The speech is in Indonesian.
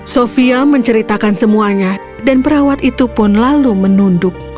sofia menceritakan semuanya dan perawat itu pun lalu menunduk